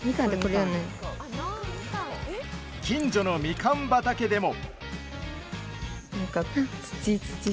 近所のみかん畑でも。